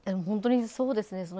本当にそうですね。